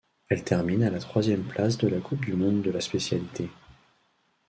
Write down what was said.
Elle termine à la troisième place de la coupe du monde de la spécialité.